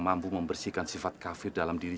mampu membersihkan sifat kafir dalam diri